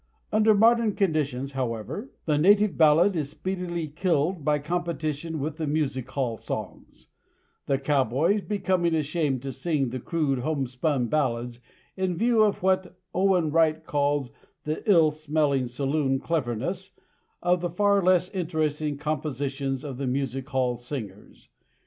Under modern conditions however, the native ballad is speedily killed by competition with the music hall songs; the cowboys becoming ashamed to sing the crude homespun ballads in view of what Owen Writes calls the "ill smelling saloon cleverness" of the far less interesting compositions of the music hall singers.